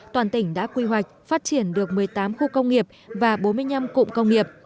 toàn tỉnh đã quy hoạch phát triển được một mươi tám khu công nghiệp và bốn mươi năm cụm công nghiệp